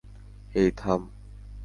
এই, থাম।